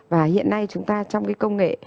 và hiện nay chúng ta trong cái công nghệ